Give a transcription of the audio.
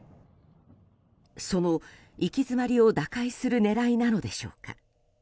その行き詰まりを打開する狙いなのでしょうか。